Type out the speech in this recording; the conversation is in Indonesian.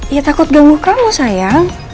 ya takut ganggu kamu sayang